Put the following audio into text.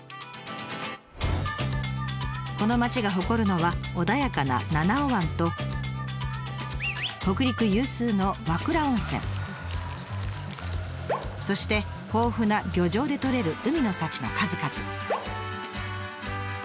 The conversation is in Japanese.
この町が誇るのは穏やかな七尾湾と北陸有数のそして豊富な漁場でとれる海の幸の数々。